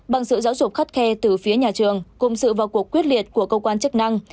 bằng sự giáo dục khắt khe từ phía nhà trường cùng sự vào cuộc quyết liệt của cơ quan chức năng